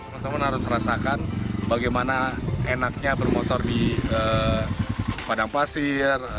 teman teman harus merasakan bagaimana enaknya bermotor di padang pasir